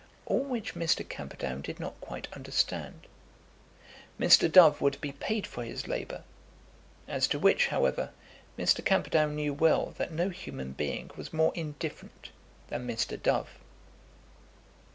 All which Mr. Camperdown did not quite understand. Mr. Dove would be paid for his labour, as to which, however, Mr. Camperdown knew well that no human being was more indifferent than Mr. Dove.